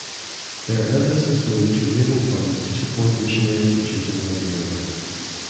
Their emphasis moved to raising funds to support missionary teachers in Liberia.